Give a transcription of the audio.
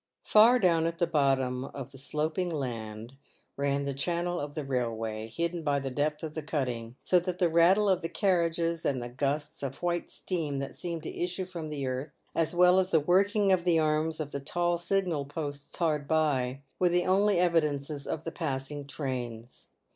Far down at the bottom of the sloping land ran the channel of the r*v~ s^r.; X" £^^?;; ^^V&,>> >^ 7/ ao 6ze> ;///^?,;,^•//?), PAVED WITH GOLD. 61 railway, hidden by the depth of the cutting, so that the rattle of the carriages, and the gusts of white steam that seemed to issue from the earth, as well as the working of the arms of the tall signal posts hard by, were the only evidences of the passing trains.